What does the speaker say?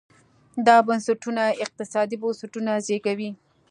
دا بنسټونه اقتصادي بنسټونه زېږوي.